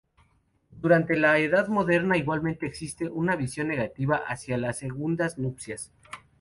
Durante la Edad Moderna igualmente existe una visión negativa hacia las segundas nupcias.